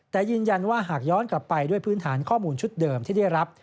แต่ยืนยันว่าหากย้อนกลับไปด้วยพื้นฐานข้อมูลชุดเดิมที่ได้รับ